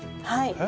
はい。